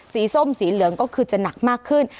ส้มสีเหลืองก็คือจะหนักมากขึ้น